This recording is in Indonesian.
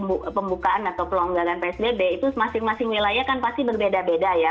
pembukaan atau pelonggaran psbb itu masing masing wilayah kan pasti berbeda beda ya